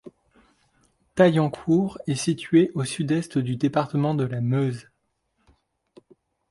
Taillancourt est située au sud-est du département de la Meuse.